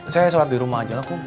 saya sholat di rumah aja lah